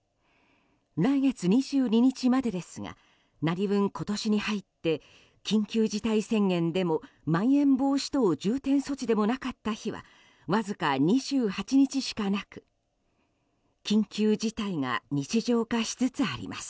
来月２２日までですが何分、今年に入って緊急事態宣言でもまん延防止等重点措置でもなかった日はわずか２８日しかなく緊急事態が日常化しつつあります。